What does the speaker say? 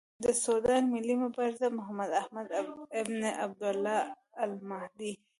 د سوډان ملي مبارز محمداحمد ابن عبدالله المهدي.